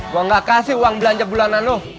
gue gak kasih uang belanja bulanan lu